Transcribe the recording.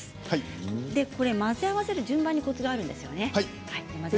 混ぜ合わせる順番にコツがあるんですよね。